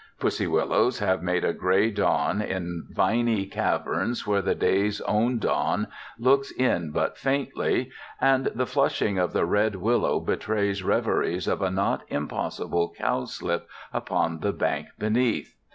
Pussy willows have made a gray dawn in viny caverns where the day's own dawn looks in but faintly, and the flushing of the red willow betrays reveries of a not impossible cowslip upon the bank beneath.